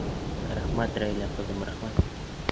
Рәхмәт, Рәйлә ҡыҙым, рәхмәт!